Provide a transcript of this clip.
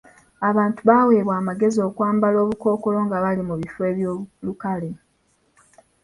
Abantu baaweebwa amagezi okwambala obukookolo nga bali mu bifo eby'olukale.